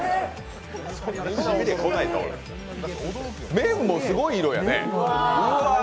面もすごい色やね！